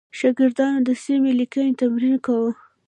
شاګردانو د سمې لیکنې تمرین کاوه.